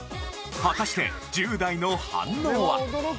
果たして１０代の反応は？